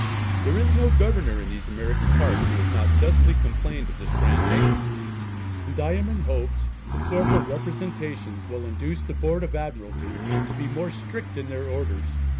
There is no Governor in these American parts who has not justly complained of this grand negligence; and I am in hopes the several representations will induce the Board of Admiralty to be more strict in their orders.